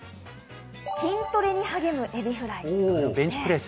筋トレに励むエビフライ。